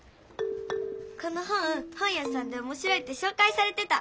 この本本やさんでおもしろいってしょうかいされてた。